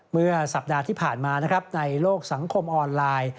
เมื่อสัปดาห์ที่ผ่านมานะครับในโลกสังคมออนไลน์